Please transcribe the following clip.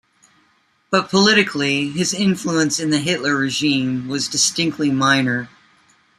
But politically, his influence in the Hitler regime was distinctly minor.